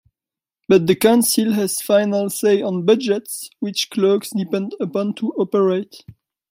But the council has final say on budgets which clerks depend upon to operate.